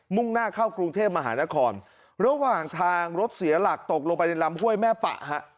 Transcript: ่งหน้าเข้ากรุงเทพมหานครระหว่างทางรถเสียหลักตกลงไปในลำห้วยแม่ปะฮะ